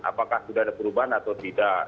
apakah sudah ada perubahan atau tidak